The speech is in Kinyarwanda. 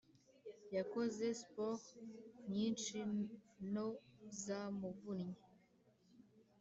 yakoze sport nyinshi no zamuvunnye